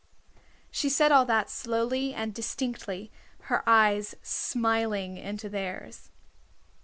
She said all that slowly and distinctly, her eyes smiling into theirs.